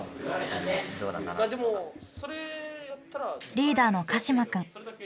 リーダーの鹿島くん。